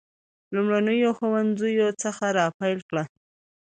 لومړنیو ښوونځیو څخه را پیل کړه.